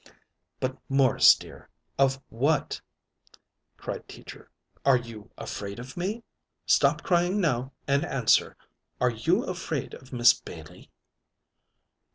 "But, Morris, dear, of what?" cried Teacher. "Are you afraid of me? Stop crying now and answer. Are you afraid of Miss Bailey?"